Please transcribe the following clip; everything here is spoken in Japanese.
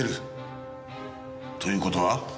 という事は？